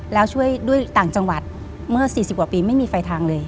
แล้วช่วยด้วยต่างจังหวัดเมื่อ๔๐กว่าปีไม่มีไฟทางเลย